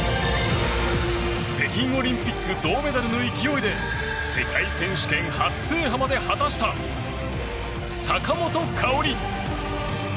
北京オリンピック銅メダルの勢いで世界選手権初制覇まで果たした坂本花織。